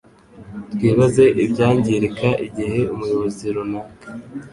Twibaze ibyangirika igihe umuyobozi runaka